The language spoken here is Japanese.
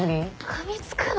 かみつくの？